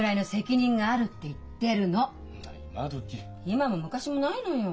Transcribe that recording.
今も昔もないのよ。